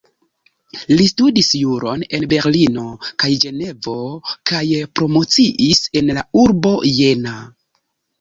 Li studis juron en Berlino kaj Ĝenevo kaj promociis en la urbo Jena.